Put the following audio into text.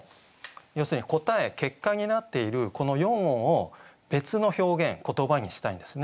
要するに答え結果になっているこの四音を別の表現言葉にしたいんですね